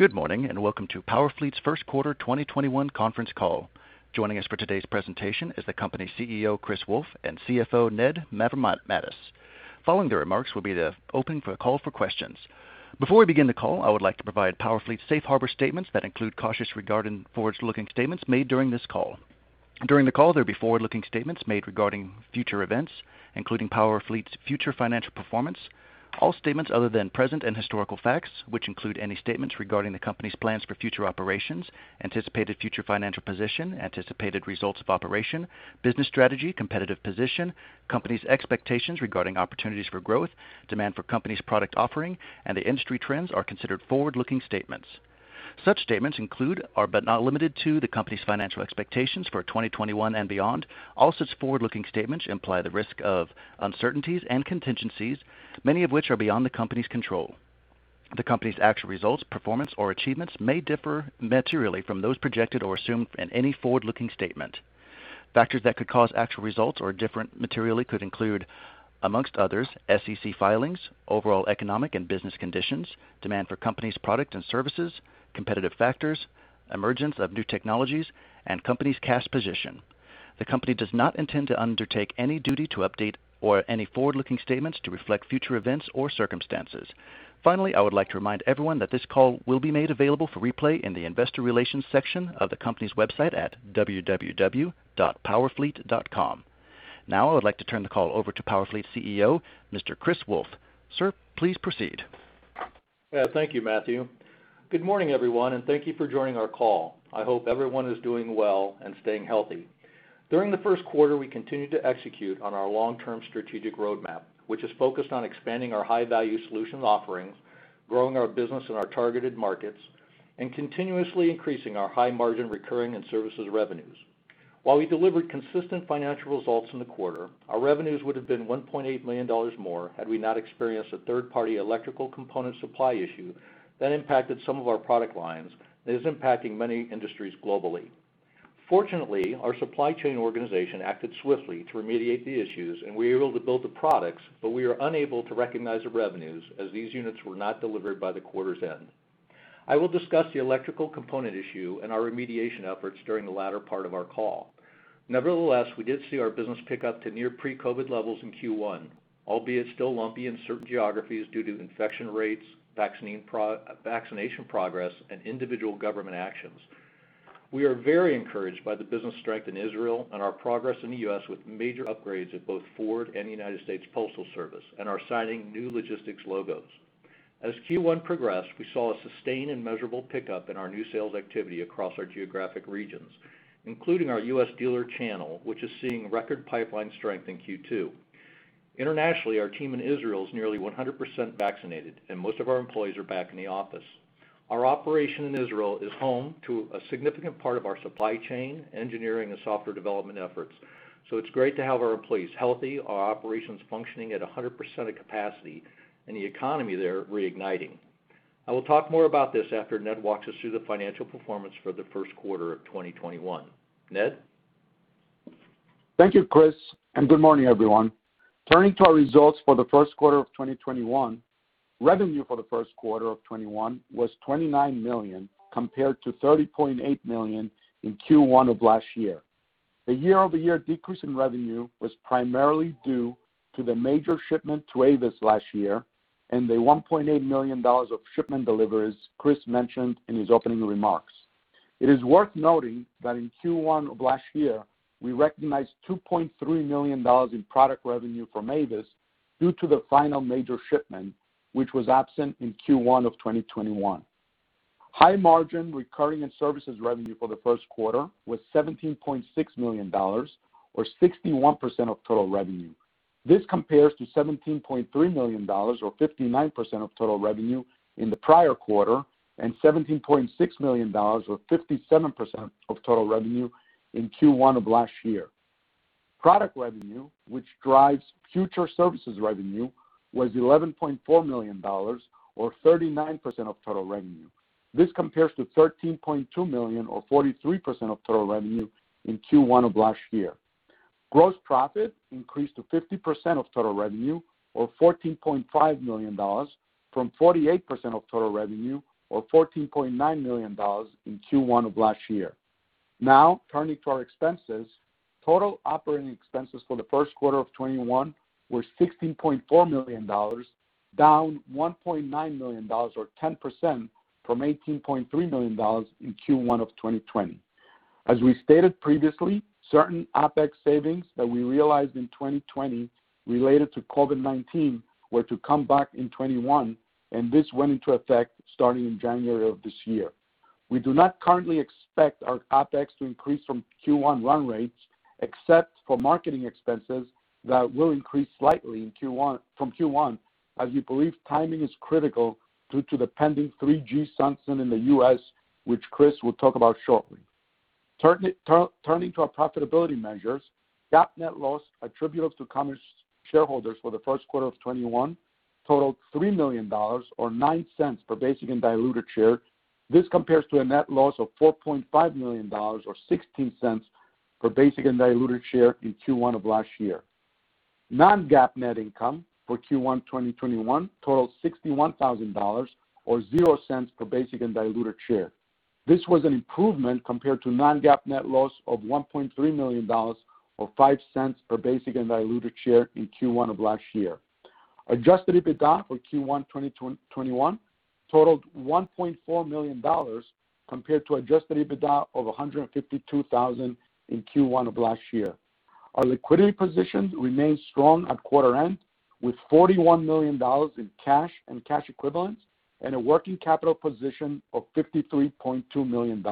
Good morning, and welcome to PowerFleet's first quarter 2021 conference call. Joining us for today's presentation is the company's CEO, Chris Wolfe, and CFO, Ned Mavrommatis. Following their remarks will be the open for call for questions. Before we begin the call, I would like to provide PowerFleet's safe harbor statements that include cautious regard in forward-looking statements made during this call. During the call, there will be forward-looking statements made regarding future events, including PowerFleet's future financial performance. All statements other than present and historical facts, which include any statements regarding the company's plans for future operations, anticipated future financial position, anticipated results of operation, business strategy, competitive position, company's expectations regarding opportunities for growth, demand for company's product offering, and the industry trends are considered forward-looking statements. Such statements include, but not limited to, the company's financial expectations for 2021 and beyond. Its forward-looking statements imply the risk of uncertainties and contingencies, many of which are beyond the company's control. The company's actual results, performance, or achievements may differ materially from those projected or assumed in any forward-looking statement. Factors that could cause actual results or differ materially could include, among others, SEC filings, overall economic and business conditions, demand for company's product and services, competitive factors, emergence of new technologies, and company's cash position. The company does not intend to undertake any duty to update or any forward-looking statements to reflect future events or circumstances. I would like to remind everyone that this call will be made available for replay in the investor relations section of the company's website at www.powerfleet.com. I would like to turn the call over to PowerFleet CEO, Mr. Chris Wolfe. Sir, please proceed. Thank you, Matthew. Good morning, everyone, and thank you for joining our call. I hope everyone is doing well and staying healthy. During the first quarter, we continued to execute on our long-term strategic roadmap, which is focused on expanding our high-value solution offerings, growing our business in our targeted markets, and continuously increasing our high-margin recurring and services revenues. While we delivered consistent financial results in the quarter, our revenues would have been $1.8 million more had we not experienced a third-party electrical component supply issue that impacted some of our product lines, and is impacting many industries globally. Fortunately, our supply chain organization acted swiftly to remediate the issues, and we were able to build the products, but we are unable to recognize the revenues as these units were not delivered by the quarter's end. I will discuss the electrical component issue and our remediation efforts during the latter part of our call. Nevertheless, we did see our business pick up to near pre-COVID levels in Q1, albeit still lumpy in certain geographies due to infection rates, vaccination progress, and individual government actions. We are very encouraged by the business strength in Israel and our progress in the U.S. with major upgrades at both Ford and the United States Postal Service and are signing new logistics logos. As Q1 progressed, we saw a sustained and measurable pickup in our new sales activity across our geographic regions, including our U.S. dealer channel, which is seeing record pipeline strength in Q2. Internationally, our team in Israel is nearly 100% vaccinated, and most of our employees are back in the office. Our operation in Israel is home to a significant part of our supply chain, engineering, and software development efforts. It's great to have our employees healthy, our operations functioning at 100% of capacity, and the economy there reigniting. I will talk more about this after Ned Mavrommatis walks us through the financial performance for the first quarter of 2021. Ned? Thank you, Chris, good morning, everyone. Turning to our results for the first quarter of 2021. Revenue for the first quarter of 2021 was $29 million compared to $30.8 million in Q1 of last year. The year-over-year decrease in revenue was primarily due to the major shipment to Avis last year and the $1.8 million of shipment deliveries Chris mentioned in his opening remarks. It is worth noting that in Q1 of last year, we recognized $2.3 million in product revenue from Avis due to the final major shipment, which was absent in Q1 of 2021. High margin recurring and services revenue for the first quarter was $17.6 million or 61% of total revenue. This compares to $17.3 million or 59% of total revenue in the prior quarter and $17.6 million or 57% of total revenue in Q1 of last year. Product revenue, which drives future services revenue, was $11.4 million or 39% of total revenue. This compares to $13.2 million or 43% of total revenue in Q1 of last year. Gross profit increased to 50% of total revenue or $14.5 million from 48% of total revenue or $14.9 million in Q1 of last year. Turning to our expenses. Total operating expenses for the first quarter of 2021 were $16.4 million, down $1.9 million or 10% from $18.3 million in Q1 of 2020. As we stated previously, certain OPEX savings that we realized in 2020 related to COVID-19 were to come back in 2021, and this went into effect starting in January of this year. We do not currently expect our OPEX to increase from Q1 run rates except for marketing expenses that will increase slightly from Q1 as we believe timing is critical due to the pending 3G sunset in the U.S., which Chris will talk about shortly. Turning to our profitability measures, GAAP net loss attributable to common shareholders for the first quarter of 2021 totaled $3 million or $0.09 per basic and diluted share. This compares to a net loss of $4.5 million or $0.16 per basic and diluted share in Q1 of last year. Non-GAAP net income for Q1 2021 totaled $61,000 or $0.00 per basic and diluted share. This was an improvement compared to non-GAAP net loss of $1.3 million or $0.05 per basic and diluted share in Q1 of last year. Adjusted EBITDA for Q1 2021 totaled $1.4 million compared to adjusted EBITDA of $152,000 in Q1 of last year. Our liquidity positions remain strong at quarter end, with $41 million in cash and cash equivalents and a working capital position of $53.2 million.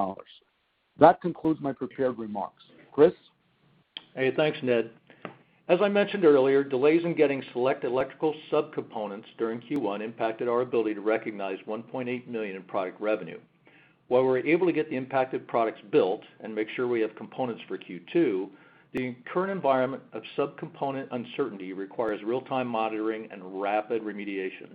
That concludes my prepared remarks. Chris? Hey, thanks, Ned. As I mentioned earlier, delays in getting select electrical subcomponents during Q1 impacted our ability to recognize $1.8 million in product revenue. While we're able to get the impacted products built and make sure we have components for Q2, the current environment of subcomponent uncertainty requires real-time monitoring and rapid remediation.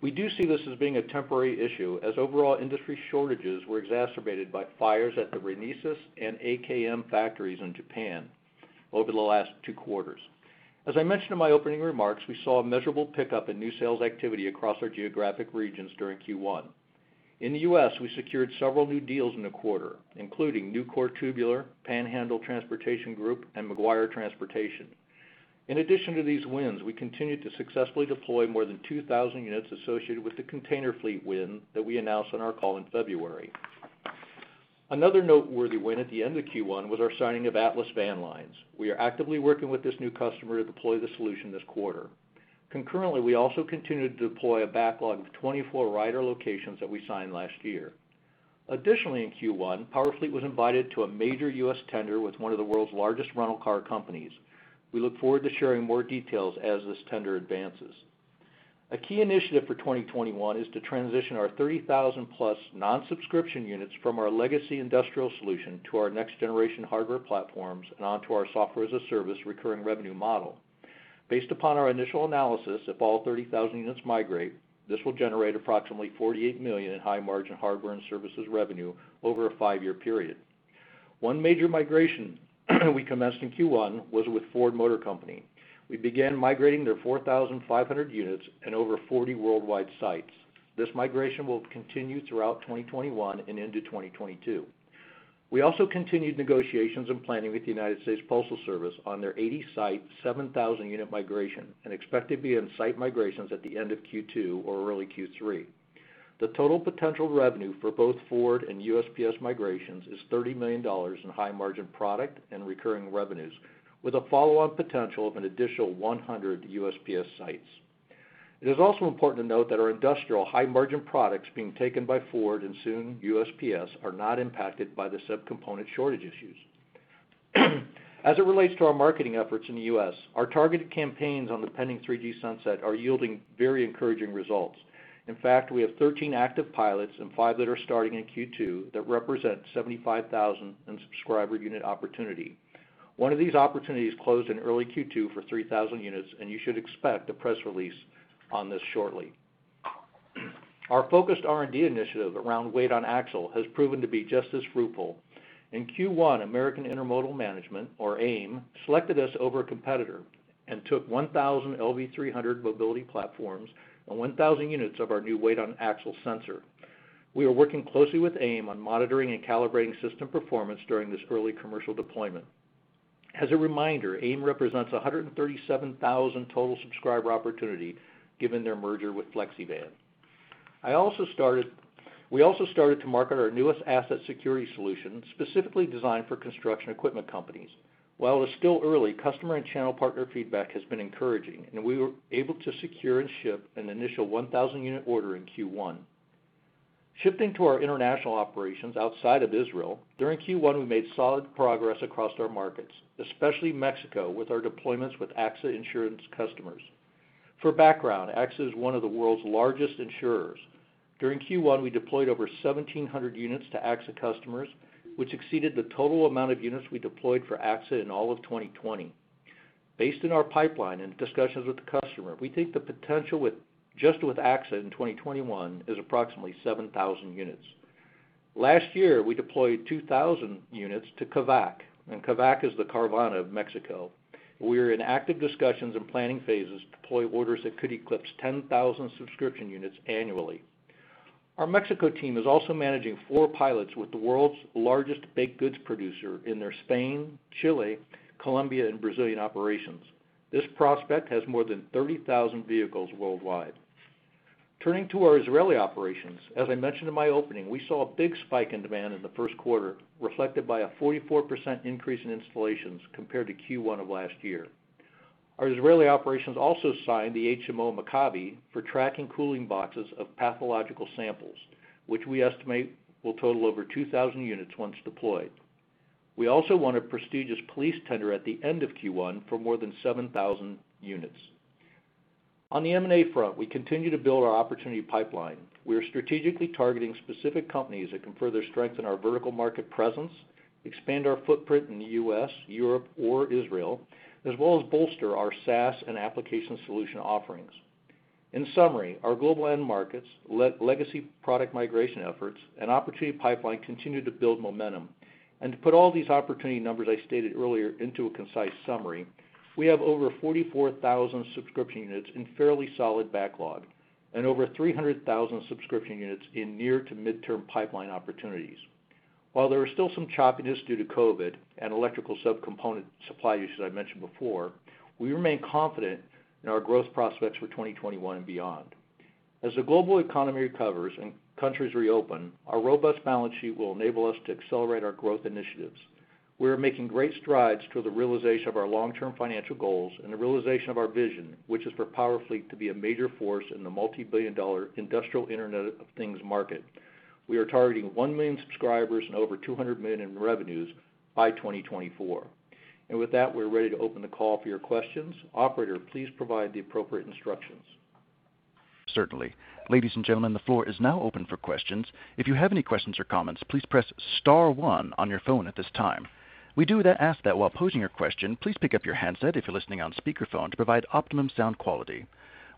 We do see this as being a temporary issue as overall industry shortages were exacerbated by fires at the Renesas and AKM factories in Japan over the last two quarters. As I mentioned in my opening remarks, we saw a measurable pickup in new sales activity across our geographic regions during Q1. In the U.S., we secured several new deals in the quarter, including Nucor Tubular, Panhandle Transportation Group, and Maguire Transportation. In addition to these wins, we continued to successfully deploy more than 2,000 units associated with the container fleet win that we announced on our call in February. Another noteworthy win at the end of Q1 was our signing of Atlas Van Lines. We are actively working with this new customer to deploy the solution this quarter. Concurrently, we also continue to deploy a backlog of 24 Ryder locations that we signed last year. Additionally, in Q1, PowerFleet was invited to a major U.S. tender with one of the world's largest rental car companies. We look forward to sharing more details as this tender advances. A key initiative for 2021 is to transition our 30,000-plus non-subscription units from our legacy industrial solution to our next-generation hardware platforms and onto our software-as-a-service recurring revenue model. Based upon our initial analysis, if all 30,000 units migrate, this will generate approximately $48 million in high-margin hardware and services revenue over a five-year period. One major migration we commenced in Q1 was with Ford Motor Company. We began migrating their 4,500 units in over 40 worldwide sites. This migration will continue throughout 2021 and into 2022. We also continued negotiations and planning with the United States Postal Service on their 80-site, 7,000-unit migration and expect to be on site migrations at the end of Q2 or early Q3. The total potential revenue for both Ford and USPS migrations is $30 million in high-margin product and recurring revenues with a follow-on potential of an additional 100 USPS sites. It is also important to note that our industrial high-margin products being taken by Ford and soon USPS are not impacted by the subcomponent shortage issues. As it relates to our marketing efforts in the U.S., our targeted campaigns on the pending 3G sunset are yielding very encouraging results. In fact, we have 13 active pilots and five that are starting in Q2 that represent 75,000 in subscriber unit opportunity. One of these opportunities closed in early Q2 for 3,000 units, and you should expect a press release on this shortly. Our focused R&D initiative around weight on axle has proven to be just as fruitful. In Q1, American Intermodal Management, or AIM, selected us over a competitor and took 1,000 LV300 mobility platforms and 1,000 units of our new weight on axle sensor. We are working closely with AIM on monitoring and calibrating system performance during this early commercial deployment. As a reminder, AIM represents 137,000 total subscriber opportunity given their merger with FlexiVan. We also started to market our newest asset security solution specifically designed for construction equipment companies. While it's still early, customer and channel partner feedback has been encouraging, and we were able to secure and ship an initial 1,000-unit order in Q1. Shifting to our international operations outside of Israel, during Q1 we made solid progress across our markets, especially Mexico with our deployments with AXA Insurance customers. For background, AXA is one of the world's largest insurers. During Q1, we deployed over 1,700 units to AXA customers, which exceeded the total amount of units we deployed for AXA in all of 2020. Based on our pipeline and discussions with the customer, we think the potential just with AXA in 2021 is approximately 7,000 units. Last year, we deployed 2,000 units to KAVAK, and KAVAK is the Carvana of Mexico. We are in active discussions and planning phases to deploy orders that could eclipse 10,000 subscription units annually. Our Mexico team is also managing four pilots with the world's largest baked goods producer in their Spain, Chile, Colombia, and Brazilian operations. This prospect has more than 30,000 vehicles worldwide. Turning to our Israeli operations, as I mentioned in my opening, we saw a big spike in demand in the first quarter reflected by a 44% increase in installations compared to Q1 of last year. Our Israeli operations also signed the HMO Maccabi for tracking cooling boxes of pathological samples, which we estimate will total over 2,000 units once deployed. We also won a prestigious police tender at the end of Q1 for more than 7,000 units. On the M&A front, we continue to build our opportunity pipeline. We are strategically targeting specific companies that can further strengthen our vertical market presence, expand our footprint in the U.S., Europe, or Israel, as well as bolster our SaaS and application solution offerings. In summary, our global end markets, legacy product migration efforts, and opportunity pipeline continue to build momentum. To put all these opportunity numbers I stated earlier into a concise summary, we have over 44,000 subscription units in fairly solid backlog and over 300,000 subscription units in near to midterm pipeline opportunities. While there is still some choppiness due to COVID and electrical subcomponent supply issues I mentioned before, we remain confident in our growth prospects for 2021 and beyond. As the global economy recovers and countries reopen, our robust balance sheet will enable us to accelerate our growth initiatives. We are making great strides toward the realization of our long-term financial goals and the realization of our vision, which is for PowerFleet to be a major force in the multi-billion dollar industrial Internet of Things market. We are targeting 1 million subscribers and over $200 million in revenues by 2024. With that, we're ready to open the call for your questions. Operator, please provide the appropriate instructions. Certainly. Ladies and gentlemen, the floor is now open for questions. If you have any questions or comments, please press *1 on your phone at this time. We do ask that while posing your question, please pick up your handset if you're listening on speakerphone to provide optimum sound quality.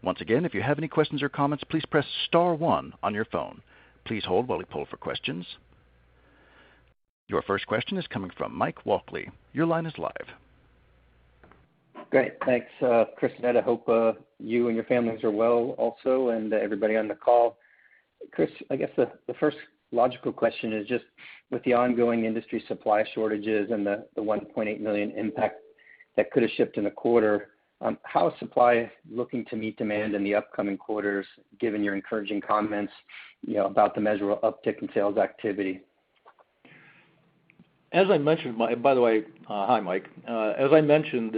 Once again, if you have any questions or comments, please press *1 on your phone. Your first question is coming from Mike Walkley. Your line is live. Great. Thanks, Chris and Ned. I hope you and your families are well also. Everybody on the call. Chris, I guess the first logical question is just with the ongoing industry supply shortages and the $1.8 million impact that could've shipped in a quarter, how is supply looking to meet demand in the upcoming quarters, given your encouraging comments about the measurable uptick in sales activity? As I mentioned, Mike. By the way, hi, Mike. As I mentioned,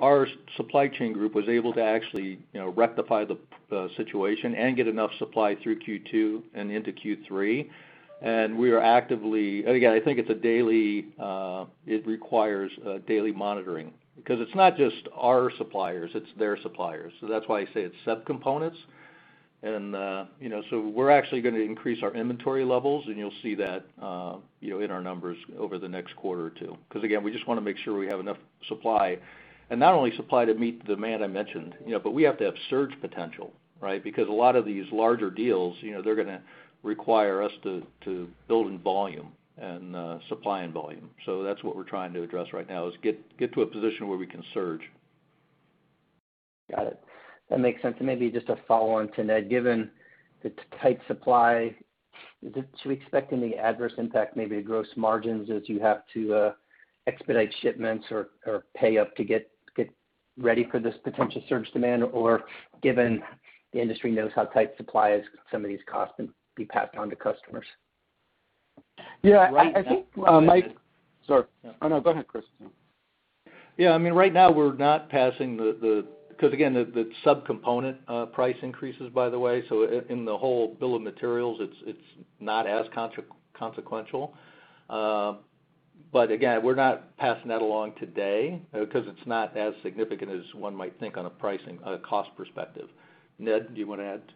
our supply chain group was able to actually rectify the situation and get enough supply through Q2 and into Q3. Again, I think it requires daily monitoring because it's not just our suppliers, it's their suppliers. That's why I say it's subcomponents. We're actually going to increase our inventory levels, and you'll see that in our numbers over the next quarter or two. Again, we just want to make sure we have enough supply. Not only supply to meet the demand I mentioned, but we have to have surge potential, right? A lot of these larger deals, they're going to require us to build in volume and supply in volume. That's what we're trying to address right now, is get to a position where we can surge. Got it. That makes sense. Maybe just a follow-on to Ned. Given the tight supply, should we expect any adverse impact maybe to gross margins as you have to expedite shipments or pay up to get ready for this potential surge demand? Given the industry knows how tight supply is, could some of these costs then be passed on to customers? Yeah, I think, Mike. Right now- Sorry. No. Oh, no. Go ahead, Chris. Yeah. I mean, right now we're not passing the because again, the subcomponent price increases, by the way, so in the whole bill of materials, it's not as consequential. Again, we're not passing that along today, because it's not as significant as one might think on a cost perspective. Ned, do you want to add to?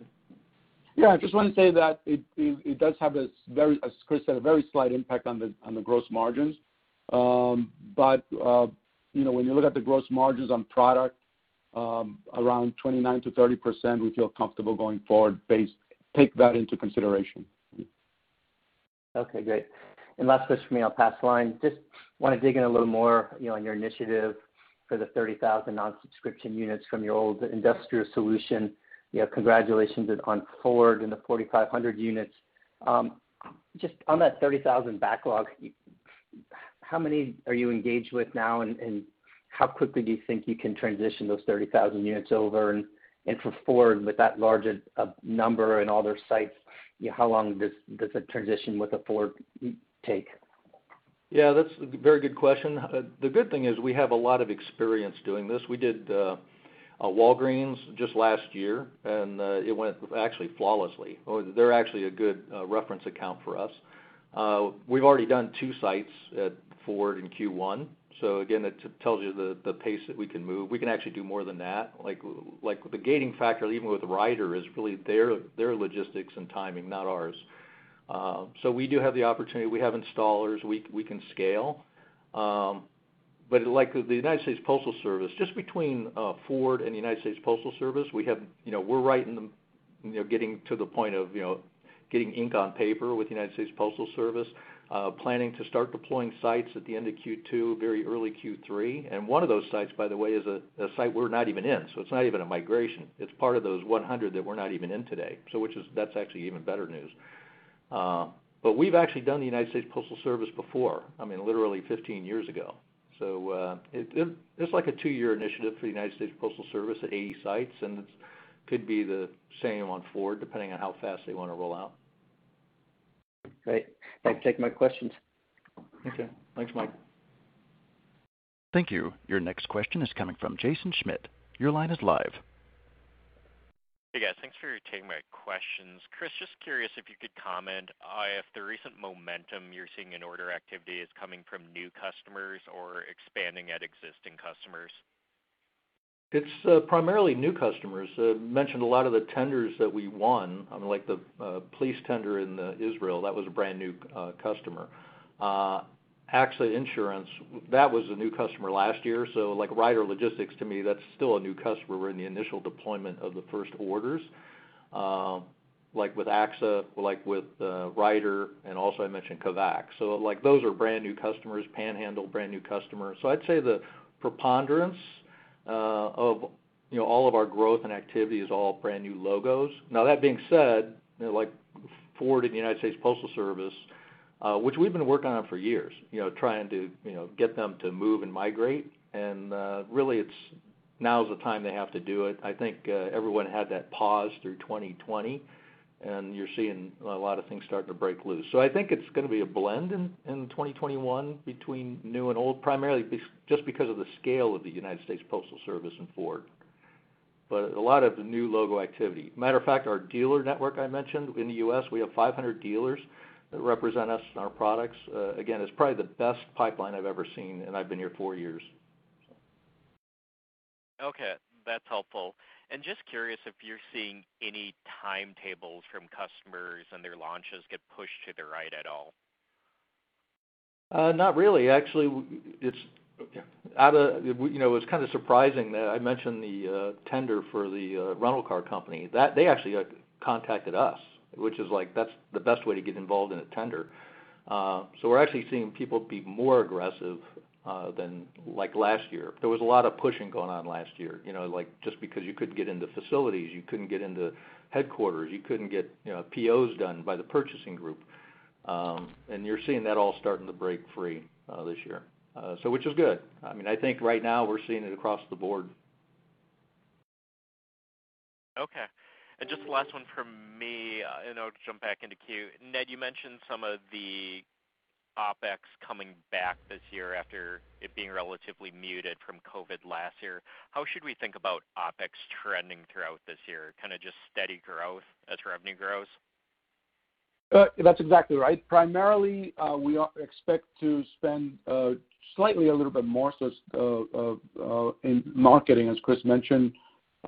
Yeah, I just want to say that it does have, as Chris said, a very slight impact on the gross margins. When you look at the gross margins on product, around 29%-30%, we feel comfortable going forward based, take that into consideration. Okay, great. Last question from me, I'll pass the line. Just want to dig in a little more on your initiative for the 30,000 non-subscription units from your old industrial solution. Congratulations on Ford and the 4,500 units. Just on that 30,000 backlog, how many are you engaged with now, and how quickly do you think you can transition those 30,000 units over? For Ford, with that large a number and all their sites, how long does a transition with Ford take? Yeah, that's a very good question. The good thing is we have a lot of experience doing this. We did Walgreens just last year, and it went actually flawlessly. They're actually a good reference account for us. We've already done two sites at Ford in Q1. So again, that tells you the pace that we can move. We can actually do more than that. The gating factor, even with Ryder, is really their logistics and timing, not ours. We do have the opportunity. We have installers. We can scale. But like with the United States Postal Service, just between Ford and the United States Postal Service, we're right in the getting to the point of getting ink on paper with the United States Postal Service, planning to start deploying sites at the end of Q2, very early Q3. One of those sites, by the way, is a site we're not even in, so it's not even a migration. It's part of those 100 that we're not even in today. That's actually even better news. We've actually done the United States Postal Service before, I mean, literally 15 years ago. It's like a two-year initiative for the United States Postal Service at 80 sites, and it could be the same on Ford, depending on how fast they want to roll out. Great. That takes my questions. Okay. Thanks, Mike. Thank you. Your next question is coming from Jaeson Schmidt. Your line is live. Hey, guys. Thanks for taking my questions. Chris Wolfe, just curious if you could comment if the recent momentum you're seeing in order activity is coming from new customers or expanding at existing customers? It's primarily new customers. Mentioned a lot of the tenders that we won, like the police tender in Israel. That was a brand-new customer. Okay. AXA Seguros, that was a new customer last year. Ryder Logistics, to me, that's still a new customer. We're in the initial deployment of the first orders. Like with AXA, like with Ryder, and also I mentioned KAVAK. Those are brand new customers. Panhandle, brand new customer. I'd say the preponderance of all of our growth and activity is all brand new logos. Now that being said, like Ford and the United States Postal Service, which we've been working on for years, trying to get them to move and migrate, and really, now is the time they have to do it. I think everyone had that pause through 2020, and you're seeing a lot of things start to break loose. I think it's going to be a blend in 2021 between new and old, primarily just because of the scale of the United States Postal Service and Ford. A lot of the new logo activity. Matter of fact, our dealer network I mentioned in the U.S., we have 500 dealers that represent us and our products. Again, it's probably the best pipeline I've ever seen, and I've been here four years, so. Okay. That's helpful. Just curious if you're seeing any timetables from customers and their launches get pushed to the right at all? Not really. Actually, it was kind of surprising that I mentioned the tender for the rental car company. They actually contacted us, which is like that's the best way to get involved in a tender. We're actually seeing people be more aggressive than last year. There was a lot of pushing going on last year, just because you couldn't get into facilities, you couldn't get into headquarters, you couldn't get POs done by the purchasing group. You're seeing that all starting to break free this year. Which is good. I think right now we're seeing it across the board. Okay. Just the last one from me, and I'll jump back into queue. Ned, you mentioned some of the OpEx coming back this year after it being relatively muted from COVID last year. How should we think about OpEx trending throughout this year? Kind of just steady growth as revenue grows? That's exactly right. Primarily, we expect to spend slightly a little bit more in marketing, as Chris mentioned.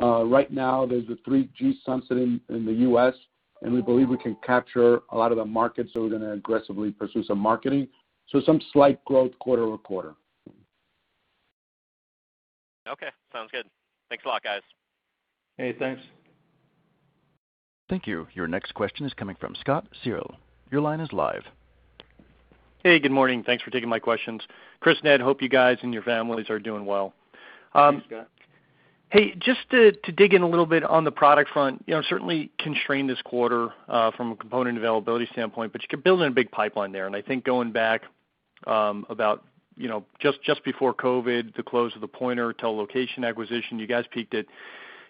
Right now there's a 3G sunsetting in the U.S., and we believe we can capture a lot of the market, so we're going to aggressively pursue some marketing. Some slight growth quarter-over-quarter. Okay. Sounds good. Thanks a lot, guys. Hey, thanks. Thank you. Your next question is coming from Scott Searle. Your line is live. Hey, good morning. Thanks for taking my questions. Chris, Ned, hope you guys and your families are doing well. Hey, Scott. Hey, just to dig in a little bit on the product front, certainly constrained this quarter from a component availability standpoint, but you could build in a big pipeline there. I think going back about just before COVID, the close of the Pointer Telocation acquisition, you guys peaked at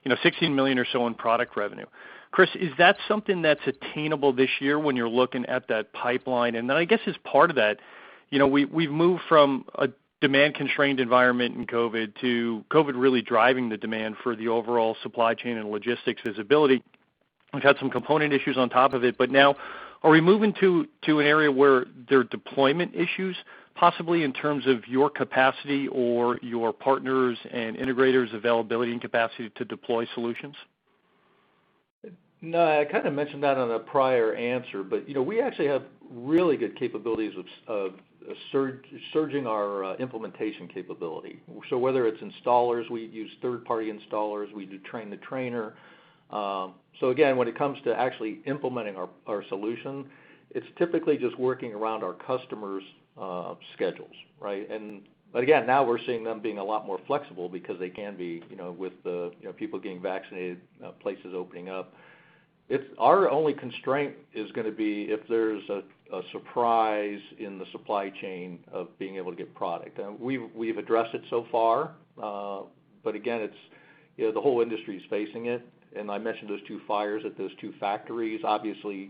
$16 million or so in product revenue. Chris, is that something that's attainable this year when you're looking at that pipeline? Then I guess as part of that, we've moved from a demand-constrained environment in COVID to COVID really driving the demand for the overall supply chain and logistics visibility. We've had some component issues on top of it. Now are we moving to an area where there are deployment issues, possibly in terms of your capacity or your partners' and integrators' availability and capacity to deploy solutions? No, I kind of mentioned that on a prior answer, but we actually have really good capabilities of surging our implementation capability. Whether it's installers, we use third-party installers, we do train the trainer. Again, when it comes to actually implementing our solution, it's typically just working around our customers' schedules, right? Again, now we're seeing them being a lot more flexible because they can be, with the people getting vaccinated, places opening up. Our only constraint is going to be if there's a surprise in the supply chain of being able to get product. We've addressed it so far, but again, the whole industry is facing it. I mentioned those two fires at those two factories. Obviously,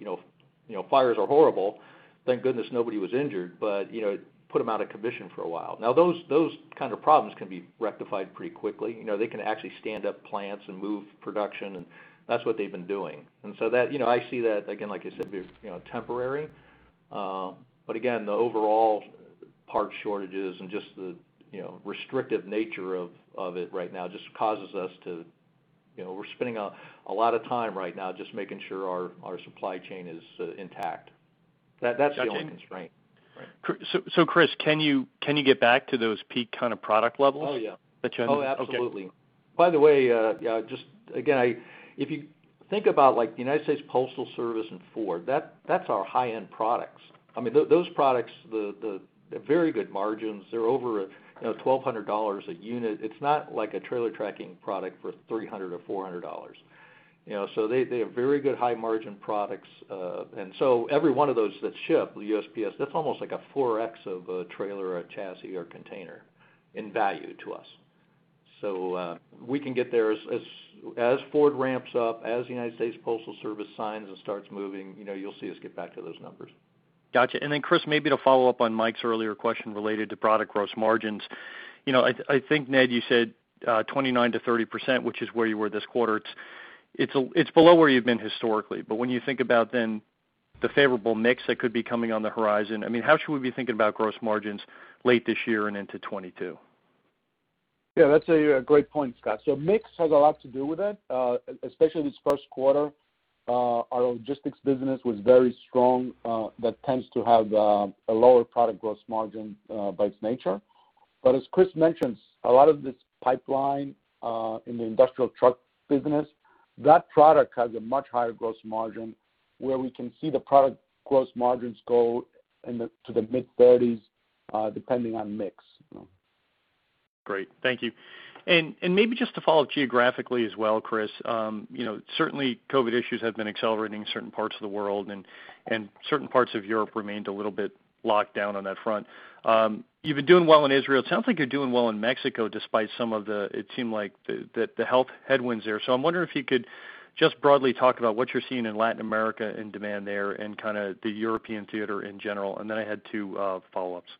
fires are horrible. Thank goodness nobody was injured, but it put them out of commission for a while. Those kind of problems can be rectified pretty quickly. They can actually stand up plants and move production, and that's what they've been doing. I see that, again, like I said, temporary. Again, the overall part shortages and just the restrictive nature of it right now. We're spending a lot of time right now just making sure our supply chain is intact. That's the only constraint. Got you. Right. Chris, can you get back to those peak kind of product levels? Oh, yeah. Okay. Oh, absolutely. By the way, just again, if you think about the United States Postal Service and Ford, that's our high-end products. I mean, those products, they're very good margins. They're over $1,200 a unit. It's not like a trailer tracking product for $300 or $400. They have very good high-margin products. Every one of those that ship, the USPS, that's almost like a 4X of a trailer or a chassis or container in value to us. We can get there as Ford ramps up, as the United States Postal Service signs and starts moving, you'll see us get back to those numbers. Got you. Chris, maybe to follow up on Mike's earlier question related to product gross margins. I think Ned, you said 29%-30%, which is where you were this quarter. It's below where you've been historically. When you think about then the favorable mix that could be coming on the horizon, I mean, how should we be thinking about gross margins late this year and into 2022? That's a great point, Scott. Mix has a lot to do with it, especially this first quarter. Our logistics business was very strong. That tends to have a lower product gross margin by its nature. As Chris mentions, a lot of this pipeline in the industrial truck business, that product has a much higher gross margin where we can see the product gross margins go to the mid-30s, depending on mix. Great. Thank you. Maybe just to follow up geographically as well, Chris, certainly COVID issues have been accelerating certain parts of the world and certain parts of Europe remained a little bit locked down on that front. You've been doing well in Israel. It sounds like you're doing well in Mexico despite some of the, it seemed like, the health headwinds there. I'm wondering if you could just broadly talk about what you're seeing in Latin America and demand there and kind of the European theater in general, and then I had two follow-ups.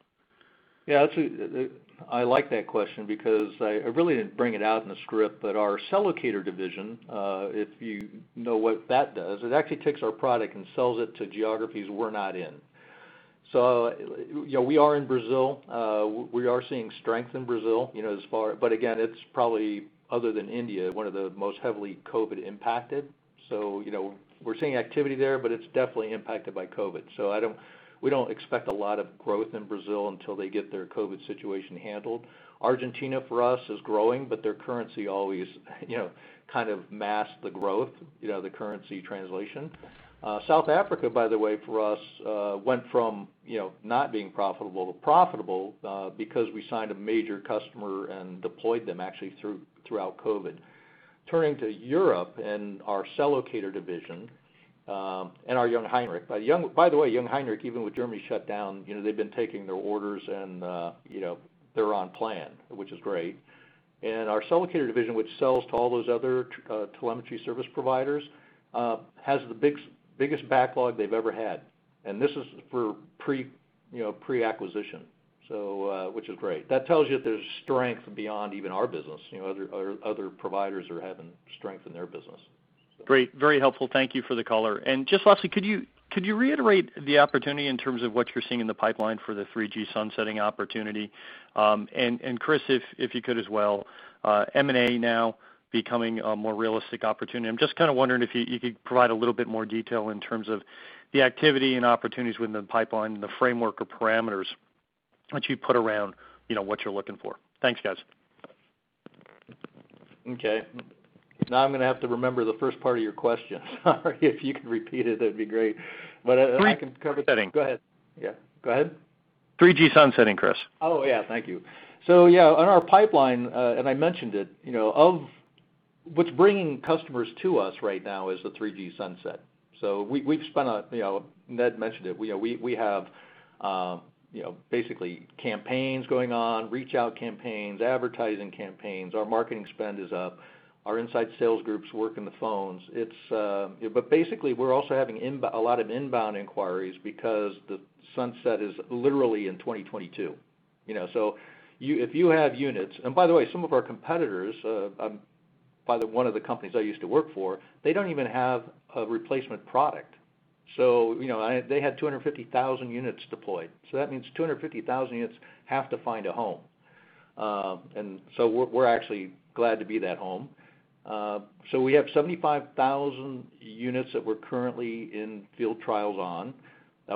Yeah. I like that question because I really didn't bring it out in the script, but our Cellocator division, if you know what that does, it actually takes our product and sells it to geographies we're not in. We are in Brazil. We are seeing strength in Brazil. Again, it's probably, other than India, one of the most heavily COVID impacted. We're seeing activity there, but it's definitely impacted by COVID. We don't expect a lot of growth in Brazil until they get their COVID situation handled. Argentina for us is growing, but their currency always kind of masks the growth, the currency translation. South Africa, by the way, for us, went from not being profitable to profitable because we signed a major customer and deployed them actually throughout COVID. Turning to Europe and our Cellocator division, and our Jungheinrich. Jungheinrich, even with Germany shut down, they've been taking their orders and they're on plan, which is great. Our Cellocator division, which sells to all those other telemetry service providers, has the biggest backlog they've ever had. This is for pre-acquisition, which is great. That tells you there's strength beyond even our business. Other providers are having strength in their business. Great. Very helpful. Thank you for the color. Just lastly, could you reiterate the opportunity in terms of what you're seeing in the pipeline for the 3G sunsetting opportunity? Chris Wolfe, if you could as well, M&A now becoming a more realistic opportunity, I'm just kind of wondering if you could provide a little bit more detail in terms of the activity and opportunities within the pipeline and the framework or parameters that you put around what you're looking for. Thanks, guys. Okay. Now I'm going to have to remember the first part of your question. If you could repeat it, that'd be great. 3G sunsetting. Go ahead. Yeah, go ahead. 3G sunsetting, Chris. Oh, yeah. Thank you. On our pipeline, I mentioned it, what's bringing customers to us right now is the 3G sunset. Ned mentioned it, we have basically campaigns going on, reach-out campaigns, advertising campaigns. Our marketing spend is up. Our inside sales groups working the phones. We're also having a lot of inbound inquiries because the sunset is literally in 2022. If you have units, and by the way, some of our competitors, one of the companies I used to work for, they don't even have a replacement product. They had 250,000 units deployed. That means 250,000 units have to find a home. We're actually glad to be that home. We have 75,000 units that we're currently in field trials on.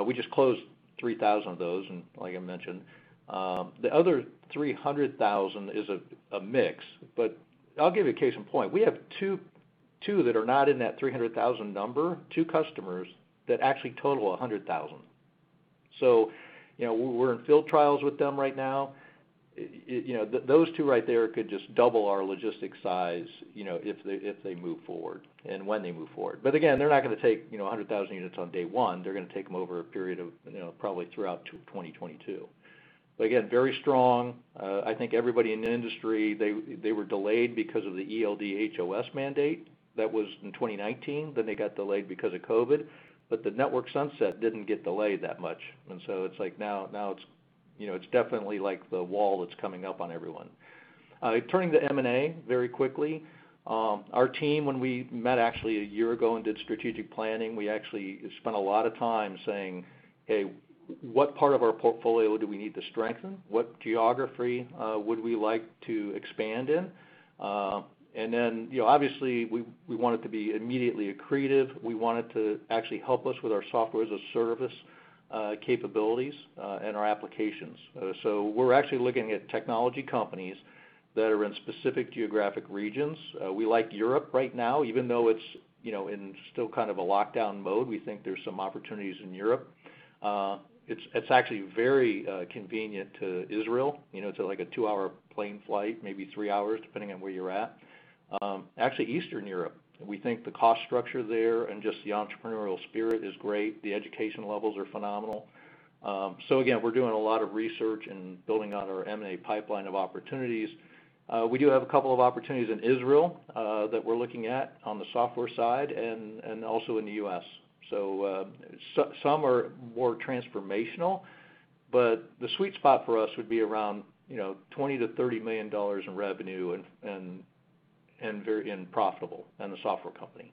We just closed 3,000 of those, like I mentioned. The other 300,000 is a mix, but I'll give you a case in point. We have two that are not in that 300,000 number, two customers that actually total 100,000. We're in field trials with them right now. Those two right there could just double our logistics size, if they move forward, and when they move forward. Again, they're not going to take 100,000 units on day one. They're going to take them over a period of probably throughout 2022. Again, very strong. I think everybody in the industry, they were delayed because of the ELD HOS mandate. That was in 2019. They got delayed because of COVID. The network sunset didn't get delayed that much. Now it's definitely the wall that's coming up on everyone. Turning to M&A very quickly. Our team, when we met actually a year ago and did strategic planning, we actually spent a lot of time saying, "Hey, what part of our portfolio do we need to strengthen? What geography would we like to expand in?" Obviously we want it to be immediately accretive. We want it to actually help us with our software-as-a-service capabilities and our applications. We're actually looking at technology companies that are in specific geographic regions. We like Europe right now, even though it's in still kind of a lockdown mode. We think there's some opportunities in Europe. It's actually very convenient to Israel. It's like a two-hour plane flight, maybe three hours, depending on where you're at. Actually, Eastern Europe. We think the cost structure there and just the entrepreneurial spirit is great. The education levels are phenomenal. Again, we're doing a lot of research and building out our M&A pipeline of opportunities. We do have a couple of opportunities in Israel that we're looking at on the software side and also in the U.S. Some are more transformational, but the sweet spot for us would be around $20 million-$30 million in revenue and profitable in a software company.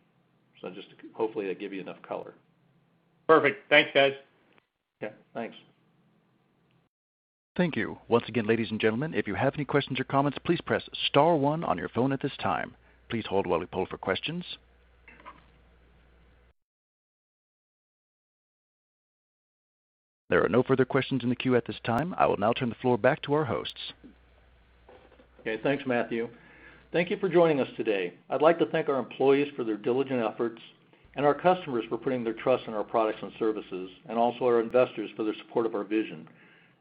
Just hopefully I gave you enough color. Perfect. Thanks, guys. Yeah. Thanks. Thank you. Once again, ladies and gentlemen, if you have any questions or comments, please press star one on your phone at this time. Please hold while we poll for questions. There are no further questions in the queue at this time. I will now turn the floor back to our hosts. Thanks, Matthew. Thank you for joining us today. I'd like to thank our employees for their diligent efforts and our customers for putting their trust in our products and services, and also our investors for their support of our vision.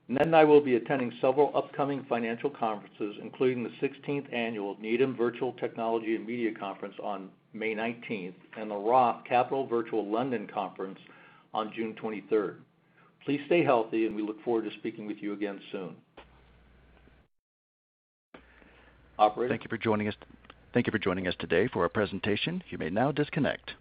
Ned Mavrommatis and I will be attending several upcoming financial conferences, including the 16th Annual Needham Virtual Technology and Media Conference on May 19th and the ROTH Capital Partners Virtual London Conference on June 23rd. Please stay healthy, and we look forward to speaking with you again soon. Operator? Thank you for joining us today for our presentation. You may now disconnect.